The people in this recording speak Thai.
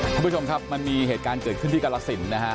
คุณผู้ชมครับมันมีเหตุการณ์เกิดขึ้นที่กรสินนะฮะ